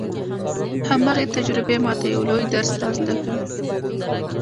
هماغې تجربې ما ته يو لوی درس را زده کړ.